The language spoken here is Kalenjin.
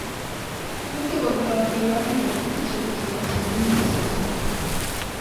mache kotoy seikalit ofisishek che kashini piik mesoshok kwai